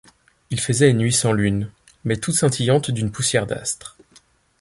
Il faisait une nuit sans lune, mais toute scintillante d’une poussière d’astres.